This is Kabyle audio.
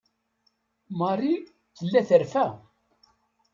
Marie tella terfa.